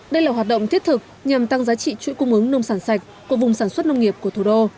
đây là hoạt động thiết thực nhằm tăng giá trị chuỗi cung ứng nông sản sạch của vùng sản xuất nông nghiệp của thủ đô